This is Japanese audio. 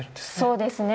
そうですね。